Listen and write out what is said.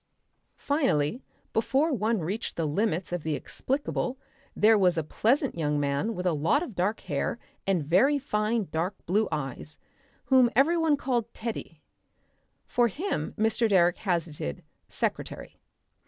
Finally, before one reached the limits of the explicable there was a pleasant young man with a lot of dark hair and very fine dark blue eyes, whom everybody called "Teddy." For him, Mr. Direck hazarded "secretary."